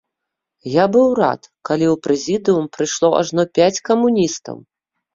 І быў рад, калі ў прэзідыум прайшло ажно пяць камуністаў.